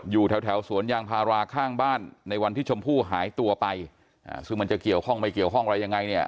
อยู่แถวแถวสวนยางพาราข้างบ้านในวันที่ชมพู่หายตัวไปซึ่งมันจะเกี่ยวข้องไม่เกี่ยวข้องอะไรยังไงเนี่ย